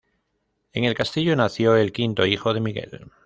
En el castillo nació el quinto hijo Miguel.